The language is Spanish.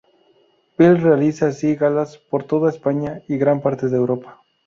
Bell realiza así galas por toda España y gran parte de Europa.